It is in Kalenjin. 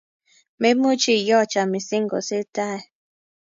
Memuchi iyocha mising kosir tai